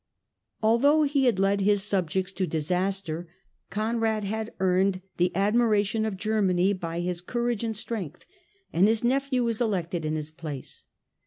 Although he had led his subjects to disaster, Conrad had earned the admiration of Germany by his courage and strength, and his nephew was elected in his place.